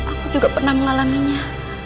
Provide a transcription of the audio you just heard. aku juga pernah mengalaminya